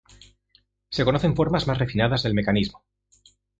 Se conocen formas más refinadas del mecanismo.